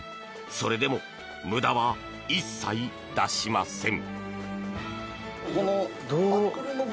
それでも無駄は一切出しません。